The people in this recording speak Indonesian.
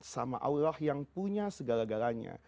sama allah yang punya segala galanya